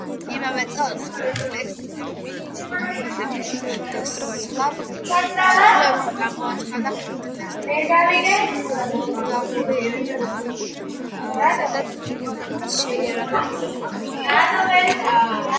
იმავე წელს დნესტრისპირეთის სლავურმა მოსახლეობამ გამოაცხადა დნესტრისპირეთის მოლდავური რესპუბლიკა, რასაც მოჰყვა შეიარაღებული კონფლიქტი.